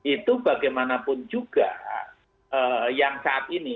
itu bagaimanapun juga yang saat ini